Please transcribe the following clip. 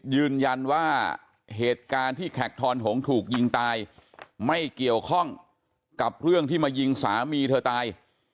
ยืนยันว่าเหตุการณ์ที่แขกทอนหงษ์ถูกยิงตายไม่เกี่ยวข้องกับเรื่องที่มายิงสามีเธอตาย